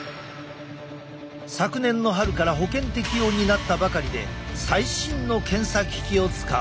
昨年の春から保険適用になったばかりで最新の検査機器を使う。